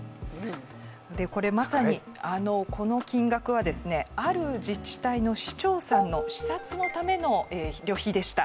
これまさに、この金額はある自治体の市長さんの視察のための旅費でした。